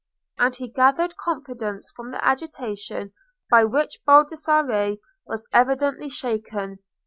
And he gathered confidence from the agitation by which Baldassarre was evidently shaken.